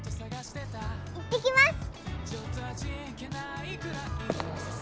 行ってきます！